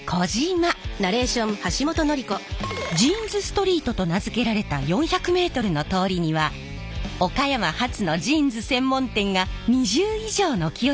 ジーンズストリートと名付けられた４００メートルの通りには岡山発のジーンズ専門店が２０以上軒を連ねています。